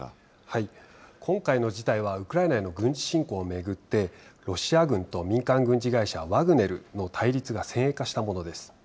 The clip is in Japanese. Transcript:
今回の事態は、ウクライナへの軍事侵攻を巡って、ロシア軍と民間軍事会社、ワグネルの対立が先鋭化したものです。